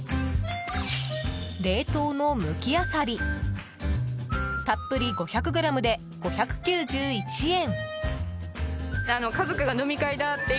冷凍のむきあさりたっぷり５００ｇで５９１円。